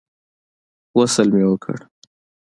غسل مې وکړ.